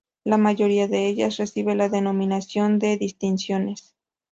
La mayoría de ellas reciben la denominación de ""Distinciones"".